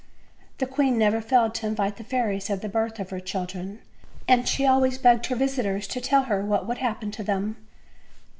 The queen never failed to invite the fairies at the birth of her children, E.nd she always begged her visitors to tell her what would happen to them.